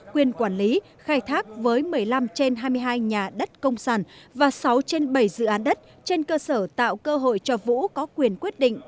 quyền quản lý khai thác với một mươi năm trên hai mươi hai nhà đất công sản và sáu trên bảy dự án đất trên cơ sở tạo cơ hội cho vũ có quyền quyết định